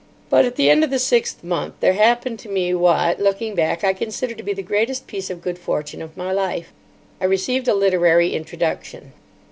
But at the end of the sixth month there happened to me what, looking back, I consider to be the greatest piece of good fortune of my life. I received a literary introduction.